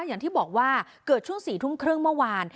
อย่างที่บอกว่าเกิดช่วง๔ทุ่มครึ่งเมื่อวาน